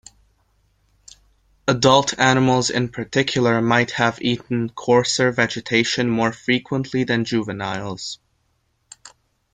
Adult animals in particular might have eaten coarser vegetation more frequently than juveniles.